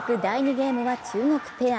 ゲームは中国ペア。